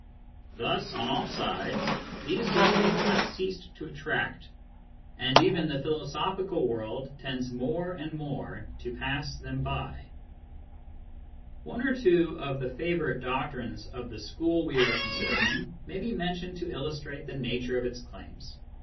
Thus on all sides these systems have ceased to attract, and even the philosophical world tends more and more to pass them by. Digitized by Google CURRENT TENDENCIES 9 One or two of the favourite doctrines of the school we are considering may be mentioned to illustrate the nature of its claims.